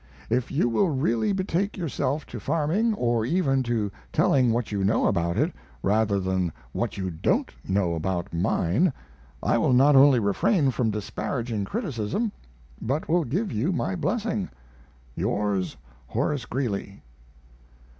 If you will really betake yourself to farming, or even to telling what you know about it, rather than what you don't know about mine, I will not only refrain from disparaging criticism, but will give you my blessing. Yours, HORACE GREELEY.